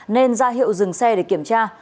nên ra hiệu dừng xe để kiểm tra